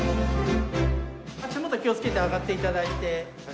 足元気をつけて上がって頂いて。